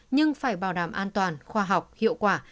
nhưng phải bảo đảm an toàn khoa học hiệu quả